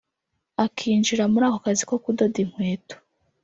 Akinjira muri ako kazi ko kudoda inkweto